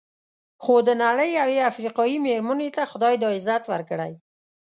خو د نړۍ یوې افریقایي مېرمنې ته خدای دا عزت ورکړی.